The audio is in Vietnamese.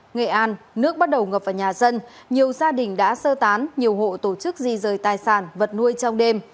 nghệ an nước bắt đầu ngập vào nhà dân nhiều gia đình đã sơ tán nhiều hộ tổ chức di rời tài sản vật nuôi trong đêm